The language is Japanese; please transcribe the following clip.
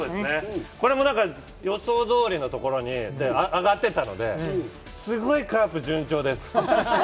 これも予想どおりのところに上がっていたので、すごいカープ順調です。